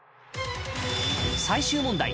最終問題